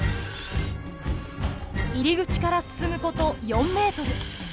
入り口から進むこと４メートル。